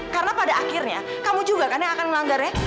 karena pada akhirnya kamu juga kan yang akan ngelanggar ya